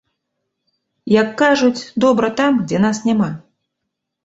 Як кажуць, добра там, дзе нас няма.